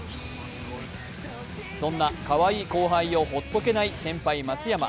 そんなかわいい後輩を放っとけない先輩松山。